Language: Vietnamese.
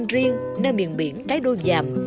đặc trưng riêng nơi miền biển cái đô dàm